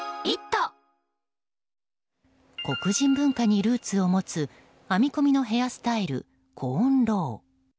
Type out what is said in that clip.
黒人文化にルーツを持つ編み込みのヘアスタイルコーンロウ。